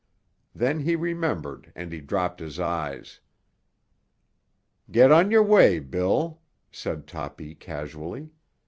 Then he remembered and he dropped his eyes. "Get on your way, Bill," said Toppy casually.